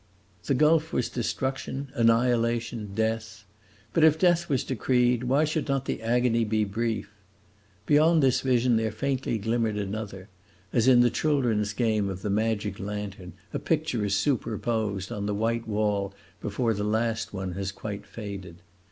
The gulf was destruction, annihilation, death; but if death was decreed, why should not the agony be brief? Beyond this vision there faintly glimmered another, as in the children's game of the "magic lantern" a picture is superposed on the white wall before the last one has quite faded.